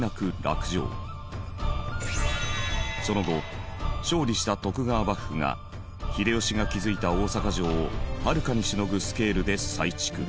その後勝利した徳川幕府が秀吉が築いた大坂城をはるかにしのぐスケールで再築。